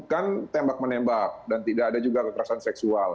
kan tembak menembak dan tidak ada juga kekerasan seksual